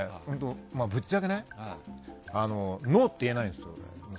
ぶっちゃけねノーって言えないんです。